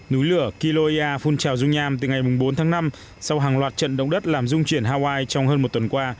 núi lửa kiloia phun trào dung nham từ ngày bốn tháng năm sau hàng loạt trận động đất làm dung chuyển hawaii trong hơn một tuần qua